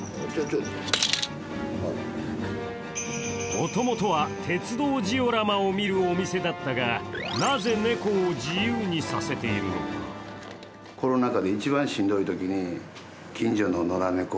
もともとは鉄道ジオラマを見るお店だったが、なぜ猫を自由にさせているのか？